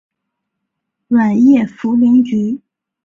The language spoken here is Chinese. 软叶茯苓菊